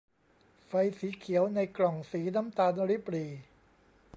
ไฟสีเขียวในกล่องสีน้ำตาลริบหรี่